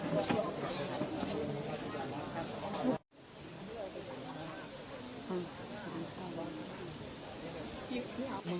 มีชีวิตใหม่ได้เมื่อสักครู่